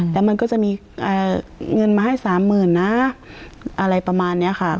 แล้วมันก็จะมีเงินมาให้สามหมื่นนะอะไรประมาณนี้ค่ะ